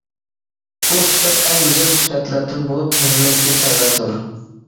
بۇ سۈپەت ئەڭ گۈزەل سۈپەتلەردىن بولۇپ، ھىممەتكە تەۋەدۇر.